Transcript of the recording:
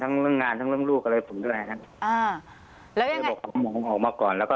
เรื่องงานทั้งเรื่องลูกอะไรผมด้วยครับอ่าแล้วก็เลยบอกผมออกมาก่อนแล้วก็